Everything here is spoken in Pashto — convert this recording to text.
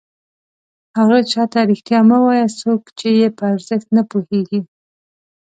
هغه چاته رښتیا مه وایه څوک چې یې په ارزښت نه پوهېږي.